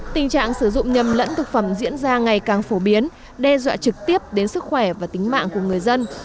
tình trạng sử dụng nhầm lẫn thực phẩm diễn ra ngày càng phổ biến đe dọa trực tiếp đến sức khỏe và tính mạng của người dân